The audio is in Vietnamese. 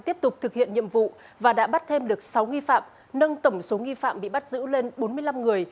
tiếp tục thực hiện nhiệm vụ và đã bắt thêm được sáu nghi phạm nâng tổng số nghi phạm bị bắt giữ lên bốn mươi năm người